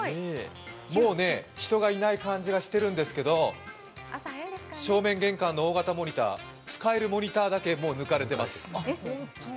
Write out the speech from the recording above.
もうね、人がいない感じがしてるんですけど、正面玄関の大型モニター使えるモニターだけ、もう抜かれてます。